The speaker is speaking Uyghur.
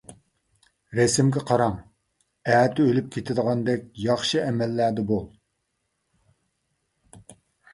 رەسىمگە قاراڭ: ئەتە ئۆلۈپ كېتىدىغاندەك ياخشى ئەمەللەردە بول.